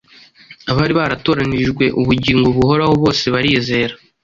abari batoranirijwe ubugingo buhoraho bose barizera.”